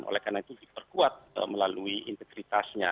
oleh karena itu diperkuat melalui integritasnya